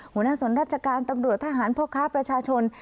หัวหน้าส่วนราชการตำรวจทหารพ่อค้าประชาชน